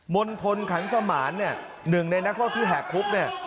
มณฑลขันสมานเนี่ยหนึ่งในนักโทษที่แหกคุกเนี่ย